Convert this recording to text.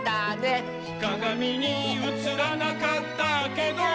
「かがみにうつらなかったけど」